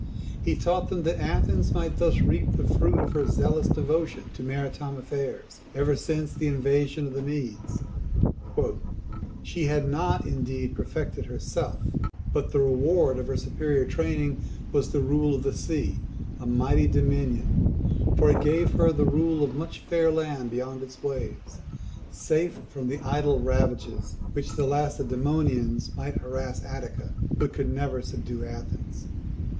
He taught them that Athens might thus reap the fruit of her zealous devotion to maritime affairs ever since the invasion of the Medes; "she had not, indeed, perfected herself; but the reward of her superior training was the rule of the sea a mighty dominion, for it gave her the rule of much fair land beyond its waves, safe from the idle ravages with which the Lacedaemonians might harass Attica, but never could subdue Athens."